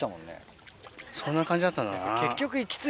そんな感じだったな。